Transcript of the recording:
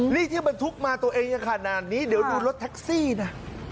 นี่ที่บรรทุกมาตัวเองยังขนาดนี้เดี๋ยวดูรถแท็กซี่นะ